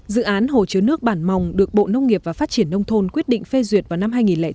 dự án hồ chứa nước bản mòng được bộ nông nghiệp và phát triển nông thôn quyết định phê duyệt vào năm hai nghìn chín